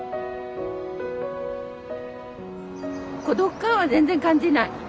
孤独感は全然感じない。